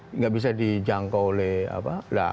tidak bisa dijangkau oleh apa